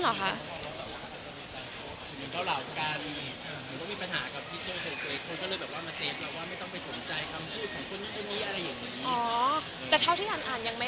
คนก็เลยมาเซฟเราว่าไม่ต้องไปสนใจคำพูดของคุณคุณนี้อะไรอย่างนี้